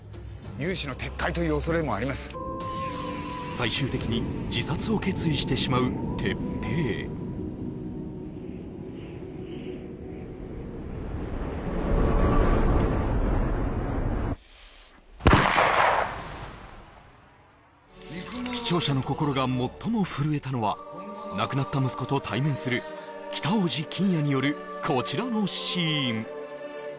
最終的に自殺を決意してしまう鉄平視聴者の心が最も震えたのは亡くなった息子と対面する北大路欣也によるこちらのシーン